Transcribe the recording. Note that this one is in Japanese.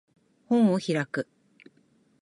本を開く